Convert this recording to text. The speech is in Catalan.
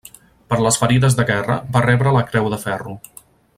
Per les ferides de guerra va rebre la Creu de Ferro.